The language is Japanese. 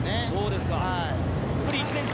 そうですか。